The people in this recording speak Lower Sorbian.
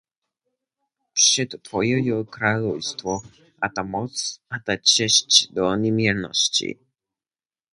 Pśeto twójo jo to kralojstwo, a ta móc, a ta cesć do nimjernosći.